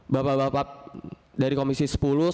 bapak bapak dari komisi sepuluh